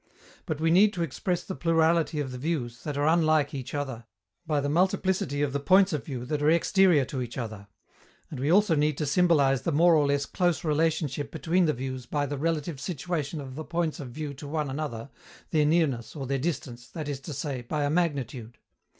But we need to express the plurality of the views, that are unlike each other, by the multiplicity of the points of view that are exterior to each other; and we also need to symbolize the more or less close relationship between the views by the relative situation of the points of view to one another, their nearness or their distance, that is to say, by a magnitude.